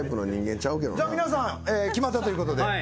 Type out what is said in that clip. じゃあ皆さん決まったということで。